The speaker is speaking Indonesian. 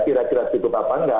kira kira cukup apa enggak